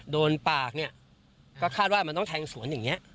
โดนปากเนี่ยก็คาดว่ามันต้องแทงสวนอย่างนี้